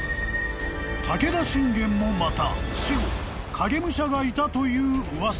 ［武田信玄もまた死後影武者がいたという噂が］